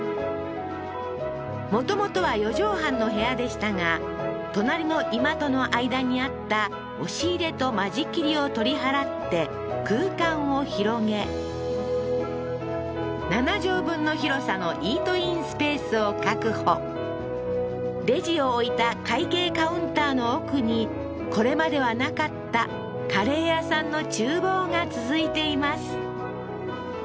もともとは４畳半の部屋でしたが隣の居間との間にあった押し入れと間仕切りを取り払って空間を広げ７畳分の広さのイートインスペースを確保レジを置いた会計カウンターの奥にこれまではなかったカレー屋さんの厨房が続いています